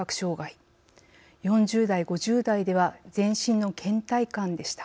４０代・５０代では全身のけん怠感でした。